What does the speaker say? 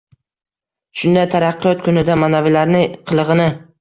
Shunday taraqqiyot kunida manavilarni qilig‘ini!»